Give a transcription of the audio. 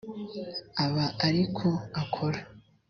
aba ari ko akora